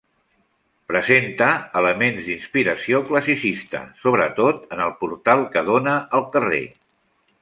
Presenta elements d'inspiració classicista, sobretot en el portal que dóna al carrer.